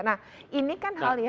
nah ini kan hal ya